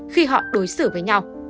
khi họ đối xử với nhau